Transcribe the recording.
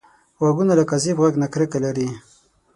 غوږونه له کاذب غږ نه کرکه لري